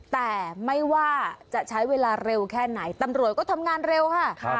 แต่ไม่ว่าจะใช้เวลาเร็วแค่ไหนตำรวจก็ทำงานเร็วค่ะ